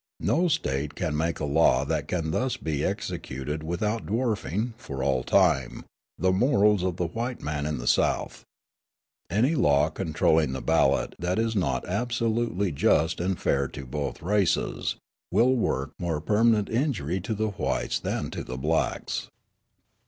No State can make a law that can thus be executed without dwarfing, for all time, the morals of the white man in the South. Any law controlling the ballot that is not absolutely just and fair to both races will work more permanent injury to the whites than to the blacks.